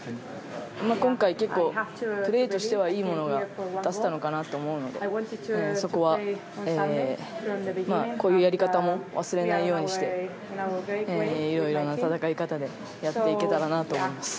今回、結構プレーとしてはいいものが出せたと思うのでそこは、こういうやり方も忘れないようにしていろいろな戦い方でやっていけたらなと思います。